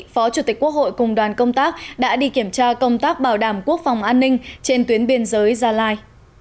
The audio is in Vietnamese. phó chủ tịch quốc hội cùng đoàn công tác đã đi kiểm tra công tác bảo đảm quốc phòng an ninh trên tuyến biên giới gia lai